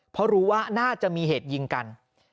เพราะรู้ว่าน่าจะมีเหตุยิงกัน